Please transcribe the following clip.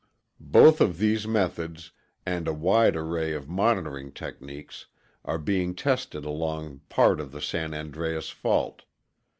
_] Both of these methods, and a wide array of monitoring techniques, are being tested along part of the San Andreas fault.